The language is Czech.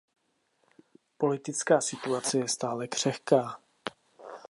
Politická situace je stále křehká.